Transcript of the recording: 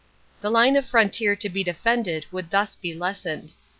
The line of frontier to be defended would thus be lessened.